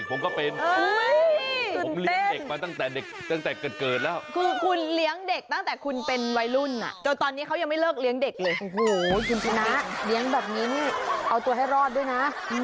ว่าพร้อมแล้วเดี๋ยวคุณทำกับข้าวนะ